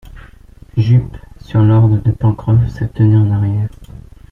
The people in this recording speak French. Jup, sur l’ordre de Pencroff, se tenait en arrière.